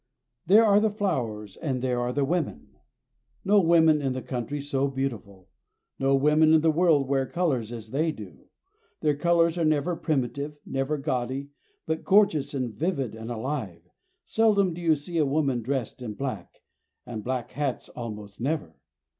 There are the flowers and there are the women. No women in the country so beautiful. No women in the world wear color as they do. Their colors are never primitive, never gaudy, but gorgeous and vivid and alive, seldom do you see a woman dressed in black, and black hats almost never.